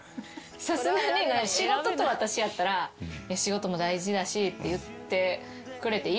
さすがに仕事と私やったら「仕事も大事だし」って言っていいかもしれないですけど。